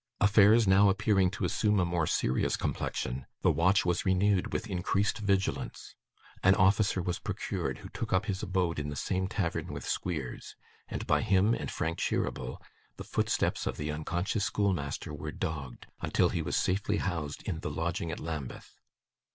Affairs now appearing to assume a more serious complexion, the watch was renewed with increased vigilance; an officer was procured, who took up his abode in the same tavern with Squeers: and by him and Frank Cheeryble the footsteps of the unconscious schoolmaster were dogged, until he was safely housed in the lodging at Lambeth.